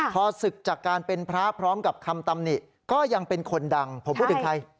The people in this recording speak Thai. พอศึกจากการเป็นพระพร้อมกับคำตำหนิก็ยังเป็นคนดังผมพูดถึงใคร